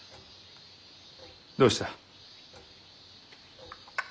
どうした？